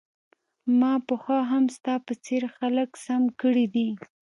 ما پخوا هم ستا په څیر خلک سم کړي دي